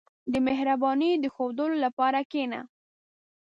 • د مهربانۍ د ښوودلو لپاره کښېنه.